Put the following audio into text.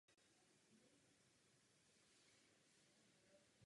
Členství Irska a jeho příspěvek k Unii obdivuji.